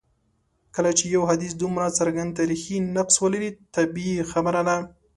کله چي یو حدیث دومره څرګند تاریخي نقص ولري طبیعي خبره ده.